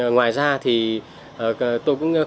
ngoài ra thì tôi cũng không biết